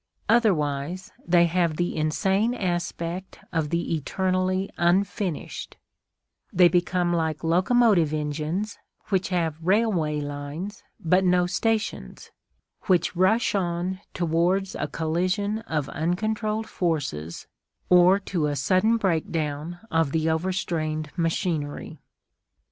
Otherwise they have the insane aspect of the eternally unfinished; they become like locomotive engines which have railway lines but no stations; which rush on towards a collision of uncontrolled forces or to a sudden breakdown of the overstrained machinery.